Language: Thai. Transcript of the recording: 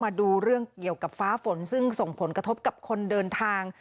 มาดูเรื่องเกี่ยวกับฟ้าฝนซึ่งส่งผลกระทบกับคนเดินทาง